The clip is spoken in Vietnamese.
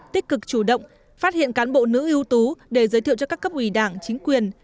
tích cực chủ động phát hiện cán bộ nữ ưu tú để giới thiệu cho các cấp ủy đảng chính quyền